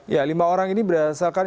ya lima orang ini berdasarkan